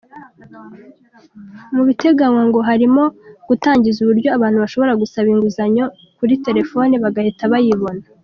Mu biteganywa ngo harimo gutangiza uburyo abantu bashobora gusaba inguzanyo kuri telefoni bagahita bayibona.